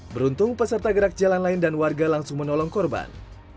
beruntung peserta gerak jalan lain dan warga langsung menolong korban